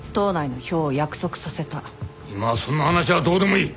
今はそんな話はどうでもいい！